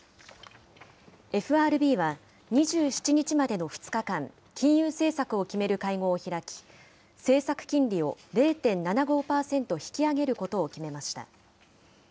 ＦＲＢは、２７日までの２日間、金融政策を決める会合を開き、政策金利を０．７５％引き上げることを決めました。